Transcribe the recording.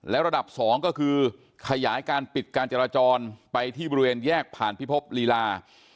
และระดับ๒ก็คือขยายการปิดการจราจรไปที่บริเวณแยกผ่านพิภพลีลา